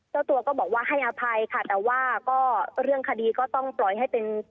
เจ้าตัวก็บอกว่าให้อภัยค่ะแต่ว่าก็เรื่องคดีก็ต้องปล่อยให้เป็น